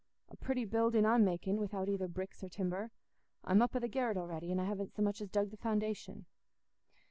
"A pretty building I'm making, without either bricks or timber. I'm up i' the garret a'ready, and haven't so much as dug the foundation."